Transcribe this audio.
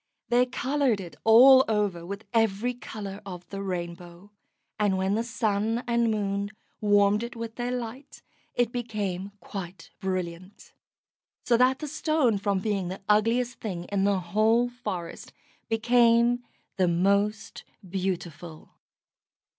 They coloured it all over with every colour of the rainbow, and when the Sun or Moon warmed it with their light it became quite brilliant. So that the Stone, from being the ugliest thing in the whole forest, became the most beautiful.